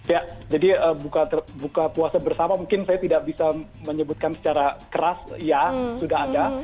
ya jadi buka puasa bersama mungkin saya tidak bisa menyebutkan secara keras ya sudah ada